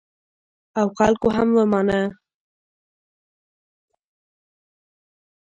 او خلکو هم ومانه.